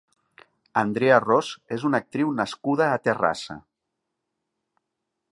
Andrea Ros és una actriu nascuda a Terrassa.